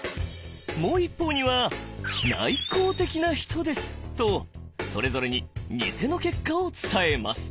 もう一方には「内向的な人です」とそれぞれにニセの結果を伝えます。